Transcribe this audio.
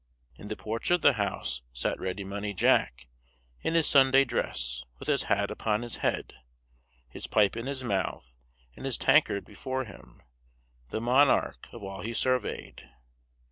In the porch of the house sat Ready Money Jack, in his Sunday dress, with his hat upon his head, his pipe in his mouth, and his tankard before him, the monarch of all he surveyed.